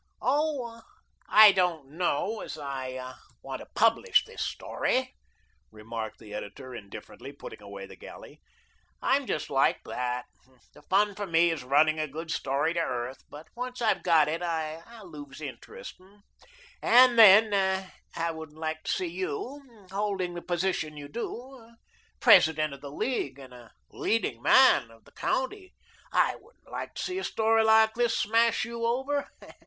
"Oh, I don't know as I want to publish this story," remarked the editor, indifferently, putting away the galley. "I'm just like that. The fun for me is running a good story to earth, but once I've got it, I lose interest. And, then, I wouldn't like to see you holding the position you do, President of the League and a leading man of the county I wouldn't like to see a story like this smash you over.